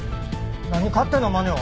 何勝手なまねを。